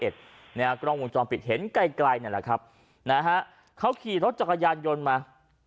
กล้องวงจรปิดเห็นไกลนั่นแหละครับนะฮะเขาขี่รถจักรยานยนต์มา